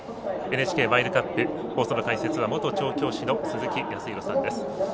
ＮＨＫマイルカップ放送の解説は元調教師の鈴木康弘さんです。